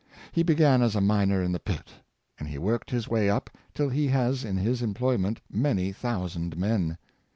He began as a 412 George Stephenson, miner in the pit, and he worked his way up till he has in his employment many thousand men.